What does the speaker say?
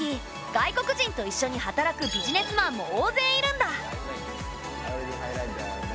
外国人といっしょに働くビジネスマンも大勢いるんだ。